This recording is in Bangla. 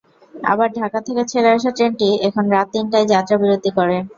আবার ঢাকা থেকে ছেড়ে আসা ট্রেনটি এখানে রাত তিনটায় যাত্রাবিরতি করে।